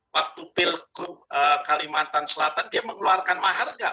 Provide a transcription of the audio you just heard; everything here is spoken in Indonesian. waktu pilkup kalimantan selatan dia mengeluarkan mahar nggak